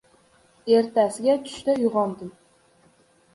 Ertasiga tushda uyg‘ondi.